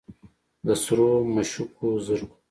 د سرو مشوکو زرکو